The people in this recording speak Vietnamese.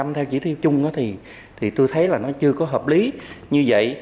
bảy một mươi theo chỉ thiêu chung thì tôi thấy là nó chưa có hợp lý như vậy